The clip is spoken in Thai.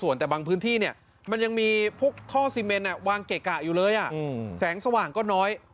วางเกะกะอยู่เลยแสงสว่างก็น้อย